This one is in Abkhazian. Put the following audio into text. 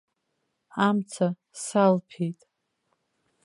Амца салԥеит.